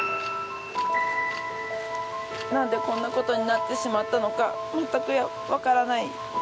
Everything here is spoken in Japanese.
何でこんなことになってしまったのかまったく分からないです。